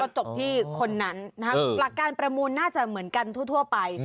จบที่คนนั้นหลักการประมูลน่าจะเหมือนกันทั่วไป